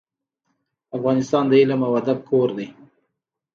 افغانستان د علم او ادب کور دی.